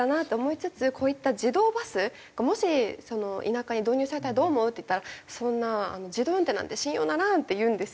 「こういった自動バスがもし田舎に導入されたらどう思う？」って言ったら「そんな自動運転なんて信用ならん」って言うんですよ。